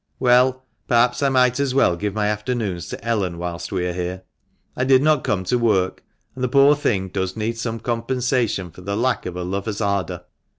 "Well, perhaps, I might as well give my afternoons to Ellen whilst we are here. I did not come to work, and the poor thing does need some compensation for the lack of a lover's ardour.